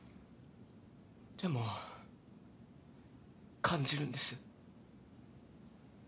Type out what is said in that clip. でも感じるんです。